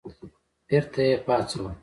بېرته یې پاڅول.